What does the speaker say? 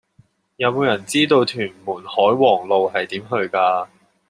有無人知道屯門海皇路係點去㗎